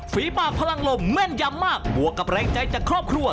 ฟามั่นจำมากบวกกับแรงใจจากครอบครัว